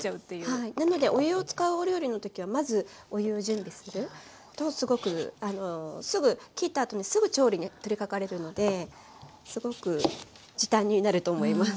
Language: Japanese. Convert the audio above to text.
はいなのでお湯を使うお料理のときはまずお湯を準備するとすぐ切ったあとにすぐ調理に取りかかれるのですごく時短になると思います。